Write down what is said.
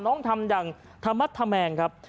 ทำอย่างธรรมธแมงครับ